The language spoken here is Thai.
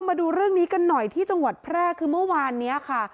มาดูเรื่องนี้กันหน่อยที่จังหวัดแพร่คือเมื่อวานนี้ค่ะ